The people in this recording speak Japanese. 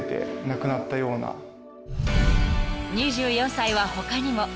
［２４歳は他にも］